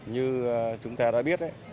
như chúng ta đã biết